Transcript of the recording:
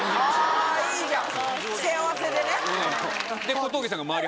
あいいじゃん。